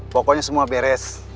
pokoknya semua beres